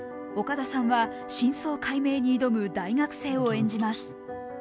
岡田さんは真相解明に挑む大学生を演じます。